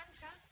aku di luar